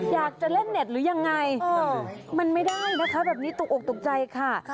อยากจะเล่นเน็ตหรือยังไงมันไม่ได้นะคะแบบนี้ตกอกตกใจค่ะ